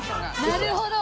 なるほど。